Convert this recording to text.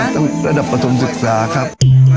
ทั้งระดับความสิทธิ์ศึกษาครับ